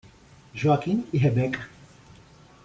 Joaquim e Rebeca